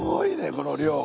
この量。